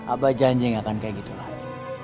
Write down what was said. abah janji gak akan kayak gitu lah